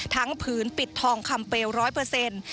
ผืนปิดทองคำเปลร้อยเปอร์เซ็นต์